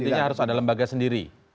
jadi intinya harus ada lembaga sendiri